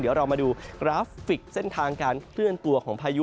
เดี๋ยวเรามาดูกราฟิกเส้นทางการเคลื่อนตัวของพายุ